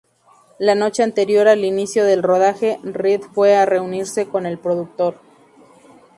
La noche anterior al inicio del rodaje, Reed fue a reunirse con el productor.